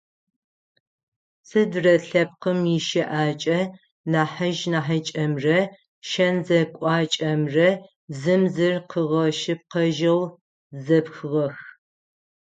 Сыдрэ лъэпкъи ищыӏакӏэ нахьыжъ-нахьыкӏэмрэ шэн-зекӏуакӏэмрэ зым зыр къыгъэшъыпкъэжьэу зэпхыгъэх.